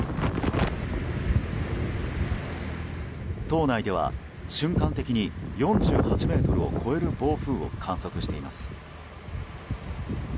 島内では瞬間的に４８メートルを超える暴風を観測しています。